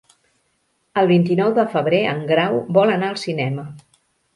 El vint-i-nou de febrer en Grau vol anar al cinema.